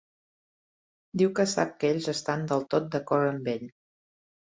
Diu que sap que ells estan del tot d'acord amb ell.